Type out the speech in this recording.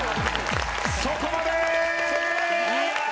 そこまで！